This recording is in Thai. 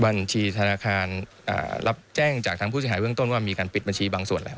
บัญชีธนาคารรับแจ้งจากทางผู้เสียหายเบื้องต้นว่ามีการปิดบัญชีบางส่วนแล้ว